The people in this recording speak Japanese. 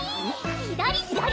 左左！